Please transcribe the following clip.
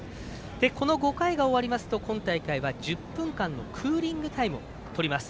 この５回が終わりますと今大会は１０分間のクーリングタイムをとります。